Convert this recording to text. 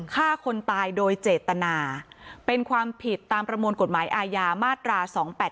ฆ่าคนตายโดยเจตนาเป็นความผิดตามประมวลกฎหมายอาญามาตรา๒๘๘